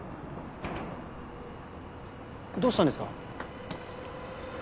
どうしたんですか？